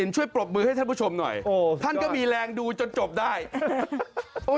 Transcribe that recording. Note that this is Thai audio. ช่วยปรบมือให้ท่านผู้ชมหน่อยโอ้ท่านก็มีแรงดูจนจบได้โอ้ย